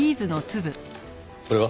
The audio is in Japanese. これは？